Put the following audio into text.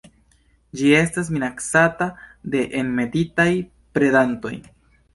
Ĝi estas minacata de enmetitaj predantoj.